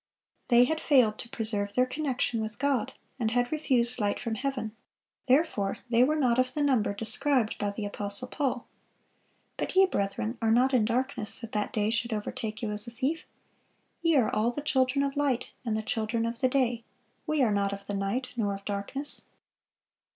They had failed to preserve their connection with God, and had refused light from heaven; therefore they were not of the number described by the apostle Paul: "But ye, brethren, are not in darkness, that that day should overtake you as a thief. Ye are all the children of light, and the children of the day: we are not of the night, nor of darkness."